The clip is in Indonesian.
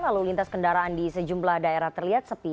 lalu lintas kendaraan di sejumlah daerah terlihat sepi